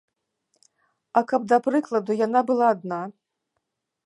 А каб, да прыкладу, яна была адна?